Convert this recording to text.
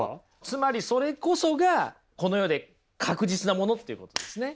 つまりそれこそがこの世で確実なものっていうことですね。